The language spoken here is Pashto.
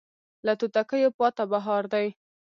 له توتکیو پاته بهار دی